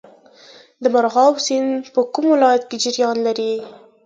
د مرغاب سیند په کوم ولایت کې جریان لري؟